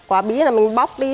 quả bí là mình bóc đi